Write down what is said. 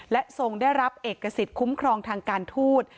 และทรงได้รับเอกสิทธิ์คุ้มครองทางการทูต